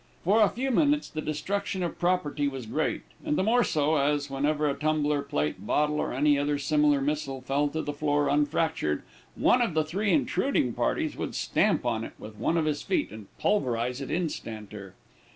For a few minutes the destruction of property was great, and the more so, as, whenever a tumbler, plate, bottle, or any other similar missile fell to the floor unfractured, one of the three intruding parties would stamp on it with one of his feet, and pulverize it instanter.